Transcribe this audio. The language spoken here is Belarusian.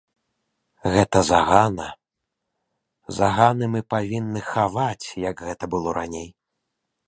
Гэта загана, заганы мы павінны хаваць, як гэта было раней.